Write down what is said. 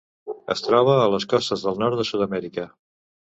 Es troba a les costes del nord de Sud-amèrica.